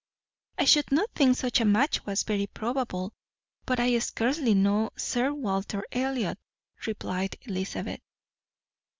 "I should not think such a match was very probable, but I scarcely know Sir Walter Elliot," replied Elizabeth.